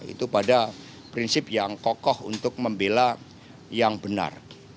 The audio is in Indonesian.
itu pada prinsip yang kokoh untuk membela yang benar